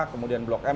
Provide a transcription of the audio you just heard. kemudian blok m